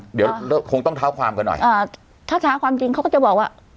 เดี๋ยวคงต้องเท้าความกันหน่อยอ่าถ้าช้าความจริงเขาก็จะบอกว่า